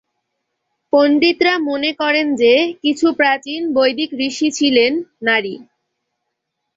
পণ্ডিতরা মনে করেন যে, কিছু প্রাচীন বৈদিক ঋষি ছিলেন নারী।